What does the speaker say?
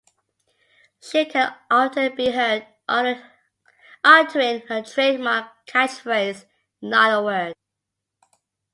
She can often be heard uttering her trademark catchphrase Not a word.